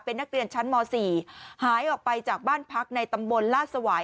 เป็นนักเรียนชั้นม๔หายออกไปจากบ้านพักในตำบลลาดสวาย